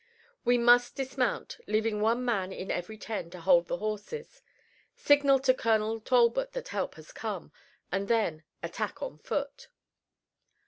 We must dismount, leaving one man in every ten to hold the horses, signal to Colonel Talbot that help has come, and then attack on foot."